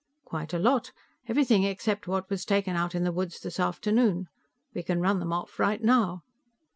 "Quite a lot. Everything except what was taken out in the woods this afternoon. We can run them off right now."